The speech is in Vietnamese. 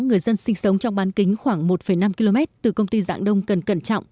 người dân sinh sống trong bán kính khoảng một năm km từ công ty dạng đông cần cẩn trọng